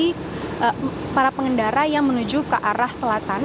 peringkat ketiga ditempati oleh para pengendara yang menuju ke arah selatan